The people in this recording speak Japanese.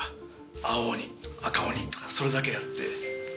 青鬼赤鬼とかそれだけあって。